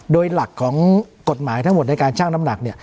โดยหลักของกฎหมายทั้งหมดในการชั่งน้ำหนัก